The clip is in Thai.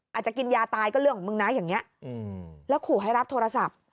อาจจะกินยาตายก็เรื่องของมึงนะอย่างนี้แล้วขู่ให้รับโทรศัพท์